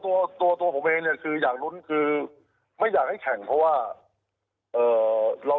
แต่ว่าตัวผมเองเนี่ยคืออยากรุ้นคือไม่อยากให้แข่งเพราะว่า